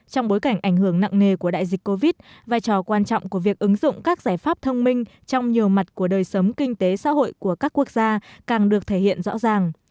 trong bối cảnh ảnh hưởng nặng nề của đại dịch covid vai trò quan trọng của việc ứng dụng các giải pháp thông minh trong nhiều mặt của đời sống kinh tế xã hội của các quốc gia càng được thể hiện rõ ràng